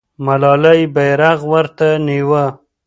ملالۍ بیرغ ورته نیوه.